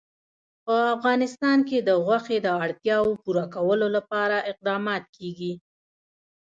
په افغانستان کې د غوښې د اړتیاوو پوره کولو لپاره اقدامات کېږي.